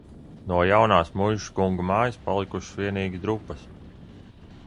No jaunās muižas kungu mājas palikušas vienīgi drupas.